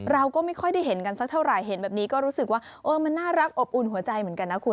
เราก็ไม่ค่อยได้เห็นกันสักเท่าไหร่เห็นแบบนี้ก็รู้สึกว่าเออมันน่ารักอบอุ่นหัวใจเหมือนกันนะคุณ